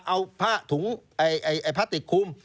เอาผ้าติดคุม